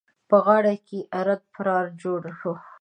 په غاړه کې يې ارت پرار جوړ وو.